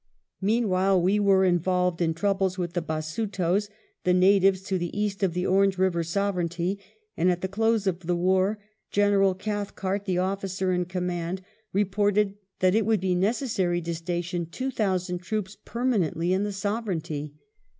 Meanwhile, we were involved in troubles with the Basutos, the natives to the east of the Orange River Sovereignty, and, at the close of the war, General Cathcart, the officer in command, reported that it would be necessary to station 2,000 troo}is permanently in the Sovereignty.